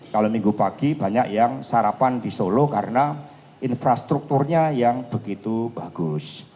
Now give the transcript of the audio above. kalau minggu pagi banyak yang sarapan di solo karena infrastrukturnya yang begitu bagus